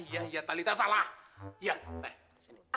iya iya tali tak salah